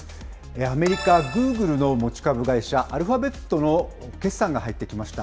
アメリカ、グーグルの持ち株会社、アルファベットの決算が入ってきました。